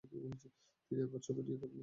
তিনি আবার ছবি নিয়ে বসলেন।